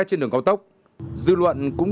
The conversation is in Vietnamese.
trên đường cao tốc dư luận cũng